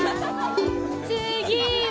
次は？